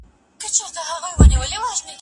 را ګوزار یې کړه د هسک شمشاد له سره